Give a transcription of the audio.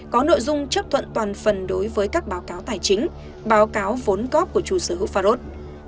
có nội dung chấp thuận toàn phần đối với các báo cáo tài chính báo cáo vốn cóp của chủ sở hữu farod